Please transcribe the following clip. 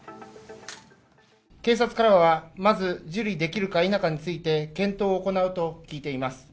警察からはまず、受理できるか否かについて検討を行うと聞いています。